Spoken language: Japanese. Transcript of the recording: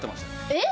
えっ？